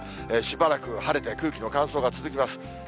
しばらく晴れて、空気の乾燥が続きます。